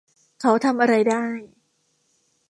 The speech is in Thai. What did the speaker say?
เขาทำอะไรได้